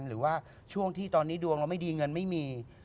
หรือว่าช่วงที่ตอนนี้ดวงเราไม่ดีเงินไม่มี